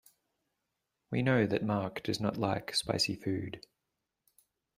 We know that Mark does not like spicy food.